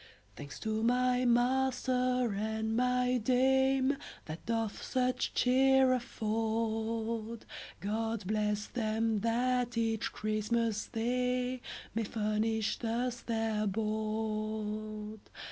Thanks to my master and my dame That doth such cheer afford; God bless them, that each Christmas they May furnish thus their board.